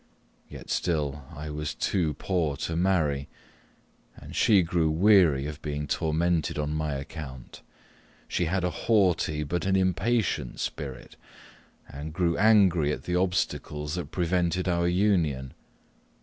Yet still I was too poor to marry, and she grew weary of being tormented on my account. She had a haughty but an impatient spirit, and grew angry at the obstacles that prevented our union.